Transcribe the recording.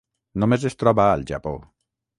Només es troba al Japó.